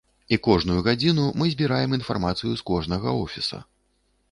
І кожную гадзіну мы збіраем інфармацыю з кожнага офіса.